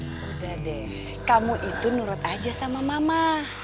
sudah deh kamu itu nurut aja sama mama